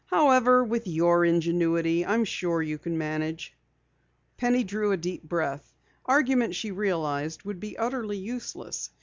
"However, with your ingenuity I am sure you can manage." Penny drew a deep breath. Argument, she realized, would be utterly useless.